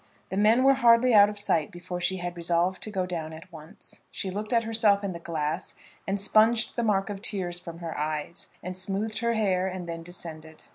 The men were hardly out of sight before she had resolved to go down at once. She looked at herself in the glass, and spunged the mark of tears from her eyes, and smoothed her hair, and then descended.